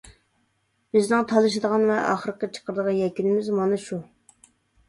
بىزنىڭ تالىشىدىغان ۋە ئاخىرقى چىقىرىدىغان يەكۈنىمىز مانا شۇ!